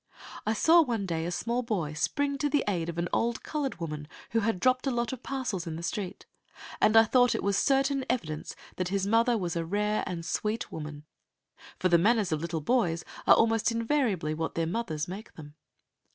I saw one day a small boy spring to the aid of an old coloured woman who had dropped a lot of parcels in the street, and I thought it was a certain evidence that his mother was a rare and sweet woman. For the manners of little boys are almost invariably what their mothers make them.